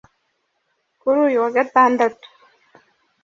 kuri uyu wa Gatandatu